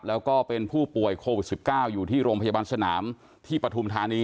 แล้วก็เป็นผู้ป่วยโควิด๑๙อยู่ที่โรงพยาบาลสนามที่ปฐุมธานี